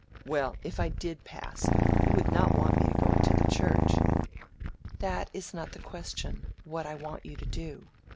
"Well, if I did pass, you would not want me to go into the Church?" "That is not the question—what I want you to do.